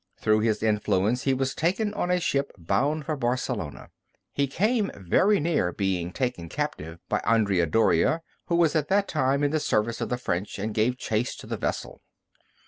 Through his influence, he was taken on a ship bound for Barcelona. He came very near being taken captive by Andrea Dorea, who was at that time in the service of the French, and gave chase to the vessel.